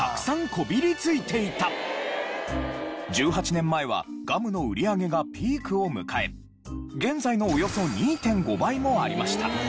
１８年前はガムの売り上げがピークを迎え現在のおよそ２．５倍もありました。